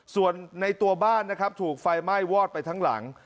ส่วนในตัวบ้านนะครับถูกไฟไหม้วอดไปทั้งหลัง